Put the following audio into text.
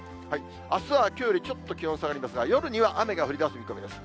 あすはきょうよりちょっと気温下がりますが、夜には雨が降りだす見込みです。